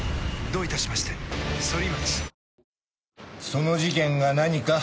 その事件が何か？